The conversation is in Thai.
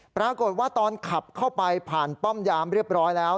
ปรากฏว่าตอนขับเข้าไปผ่านป้อมยามเรียบร้อยแล้ว